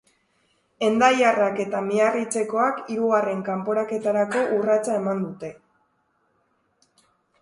Hendaiarrak eta miarritzekoak hirugarren kanporaketarako urratsa eman dute.